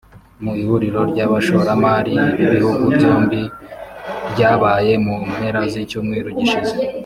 Mu ihuriro ry’abashoramari b’ibihugu byombi ryabaye mu mpera z’icyumweru gishize